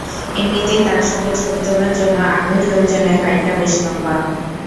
এমনিতেই তাঁর সঙ্গে ছবি তোলার জন্য আগ্রহী লোকজনের লাইনটা বেশ লম্বা।